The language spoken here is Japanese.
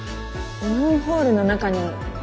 マンホールの中に指輪が。